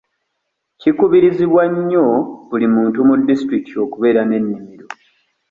Kikubirizibwa nnyo buli muntu mu disitulikiti okubeera n'ennimiro.